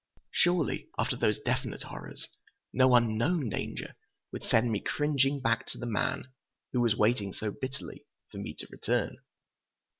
Surely, after those definite horrors, no unknown danger would send me cringing back to the man who was waiting so bitterly for me to return.